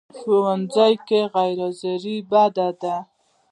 ښوونځی کې غیر حاضرې بدې دي